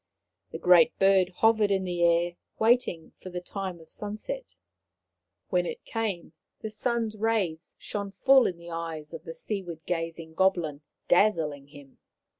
The Great Bird hovered in the air, waiting for the time of sunset. When it came the sun's rays shone full in the eyes of the seaward gazing goblin, dazzling him.